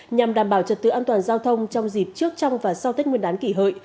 nhằm đảm bảo trật tự an toàn giao thông trong dịp trước trong và sau tết nguyên đán kỷ hợi